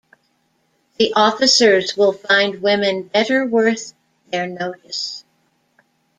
The officers will find women better worth their notice.